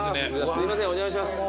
すいませんお邪魔します。